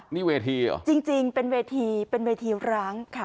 นี่เวทีเหรอจริงเป็นเวทีเป็นเวทีร้างค่ะ